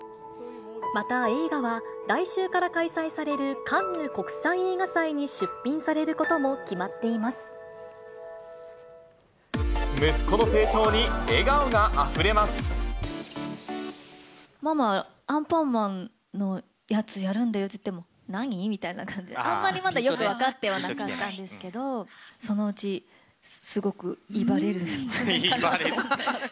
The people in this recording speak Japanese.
また映画は、来週から開催されるカンヌ国際映画祭に出品されることも決まって息子の成長に笑顔があふれまママ、アンパンマンのやつやるんだよって言っても、何？みたいな感じで、あんまりまだよく分かってはなかったんですけど、そのうち、すごく威張れるんじゃないかなと。